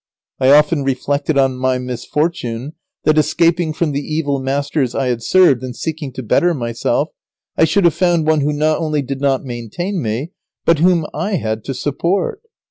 I often reflected on my misfortune that, escaping from the evil masters I had served, and seeking to better myself, I should have found one who not only did not maintain me, but whom I had to support.